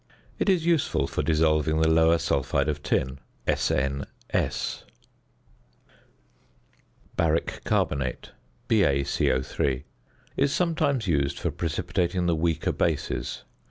It is useful for dissolving the lower sulphide of tin (SnS). ~Baric Carbonate~ (BaCO_) is sometimes used for precipitating the weaker bases.